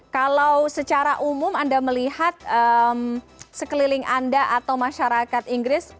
kalau secara umum anda melihat sekeliling anda atau masyarakat inggris